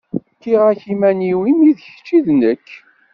Fkiɣ-ak iman-iw imi d kečč i d nekk.